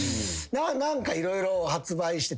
何か色々発売して。